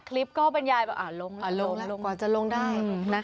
คลิปก็บรรยายลงแล้ว